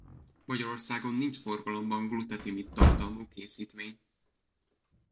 Magyarországon nincs forgalomban glutetimid-tartalmú készítmény